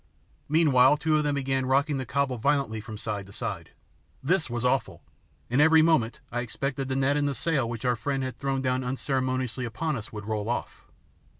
Meanwhile two of them began rocking the cobble violently from side to side. This was awful, and every moment I expected the net and the sail which our friend had thrown down unceremoniously upon us would roll off.